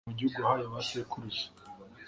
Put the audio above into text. ubagarure mu gihugu wahaye ba sekuruza